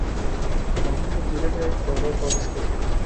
মহেন্দ্র ধীরে ধীরে ঘরে প্রবেশ করিল।